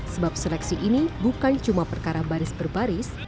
sebab seleksi ini bukan cuma perkara baris per baris